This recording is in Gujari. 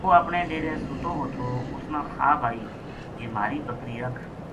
وہ اپنے ڈیرے سُتو وو تھو اس نا خواب آئی جے مھاری بکری رکھ